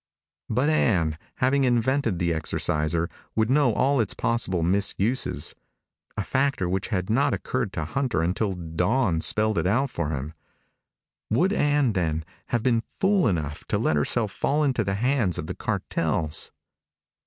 But Ann, having invented the Exorciser, would know all its possible misuses a factor which had not occurred to Hunter until Dawn spelled it out for him. Would Ann, then, have been fool enough to let herself fall into the hands of the cartels?